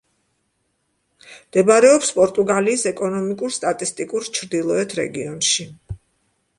მდებარეობს პორტუგალიის ეკონომიკურ-სტატისტიკურ ჩრდილოეთ რეგიონში.